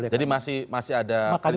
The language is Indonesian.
jadi masih ada perintah partai ya